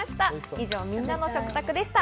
以上、みんなの食卓でした。